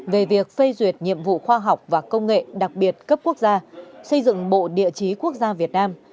về việc phê duyệt nhiệm vụ khoa học và công nghệ đặc biệt cấp quốc gia xây dựng bộ địa chí quốc gia việt nam